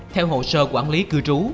theo hồ sơ quản lý cư trú